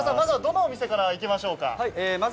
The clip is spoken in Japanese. まずはどのお店からいきましょうか。